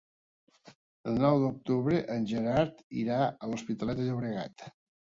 El nou d'octubre en Gerard irà a l'Hospitalet de Llobregat.